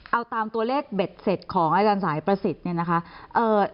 เอาตามตัวเลขเบ็ดเสร็จของอาจารย์สายประสิทธิ์เนี่ยนะคะ